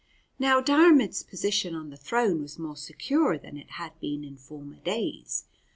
But Diarmaid's position on the throne was more secure than it had been in former days.